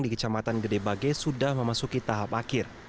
di kecamatan gedebage sudah memasuki tahap akhir